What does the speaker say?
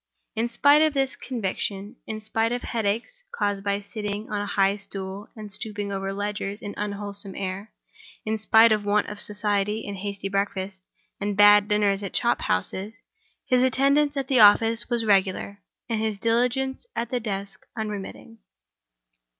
In spite of this conviction; in spite of headaches caused by sitting on a high stool and stooping over ledgers in unwholesome air; in spite of want of society, and hasty breakfasts, and bad dinners at chop houses, his attendance at the office was regular, and his diligence at the desk unremitting.